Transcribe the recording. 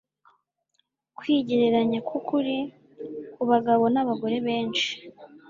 Kwigereranya kwukuri kubagabo nabagore benshi